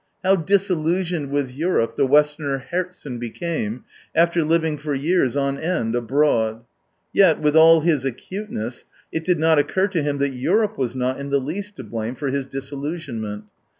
How disillusioned with Europe the westerner Herzen became, after living for years on end abroad ! Yet, with all his acuteness, it did not occur to him that Europe was not in the least to blame for his disillusionment.